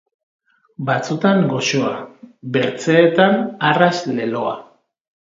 Batzutan goxoa, bertzeetan arras leloa.